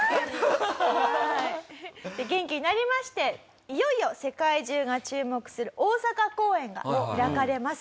元気になりましていよいよ世界中が注目する大阪公演が開かれます。